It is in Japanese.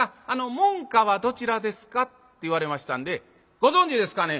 門下はどちらですか？」って言われましたんで「ご存じですかね。